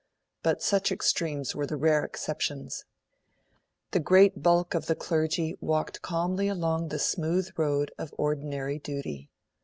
But such extremes were the rare exceptions. The great bulk of the clergy walked calmly along the smooth road of ordinary duty.